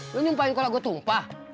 lo nyumpahin kalau gue tumpah